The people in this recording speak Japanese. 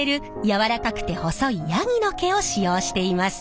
柔らかくて細いヤギの毛を使用しています。